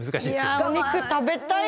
お肉食べたい。